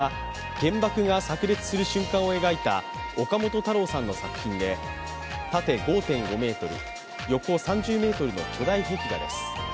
明日の神話は、原爆がさく裂する瞬間を描いた岡本太郎さんの作品で縦５．５ｍ、横３０ｍの巨大壁画です。